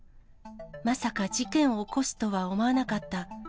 まさか事件を起こすとは思わなかった。